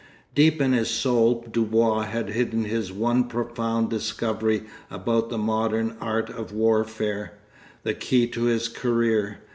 Deep in his soul Dubois had hidden his one profound discovery about the modern art of warfare, the key to his career.